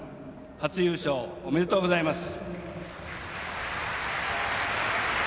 初優勝、おめでとうございます。